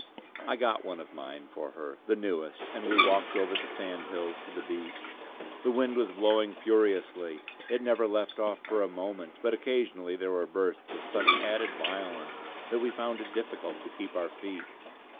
I got one of mine for her, the newest; and we walked over the sandhills to the beach. The wind was blowing furiously. It never left off for a moment; but occasionally there were bursts of such added violence that we found it difficult to keep our feet.